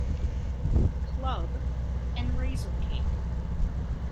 Club, and Razorcake.